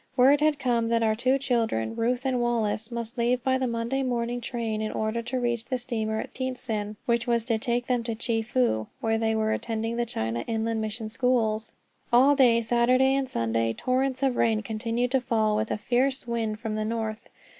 Word had come that our two children, Ruth and Wallace, must leave by the Monday morning train in order to reach the steamer at Tientsin, which was to take them to Chefoo, where they were attending the China Inland Mission schools. All day Saturday and Sunday torrents of rain continued to fall, with a fierce wind from the north.